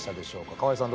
河井さん